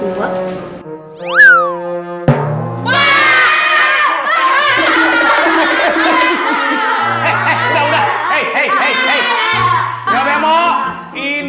hei ustadz musa yang mulia dan santun